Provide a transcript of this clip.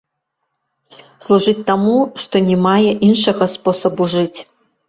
Служыць таму, што не мае іншага спосабу жыць.